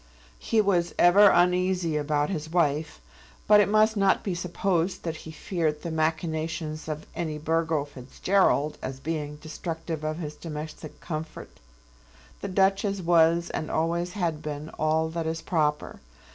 He was ever uneasy about his wife, but it must not be supposed that he feared the machinations of any Burgo Fitzgerald as being destructive of his domestic comfort. The Duchess was and always had been all that is proper.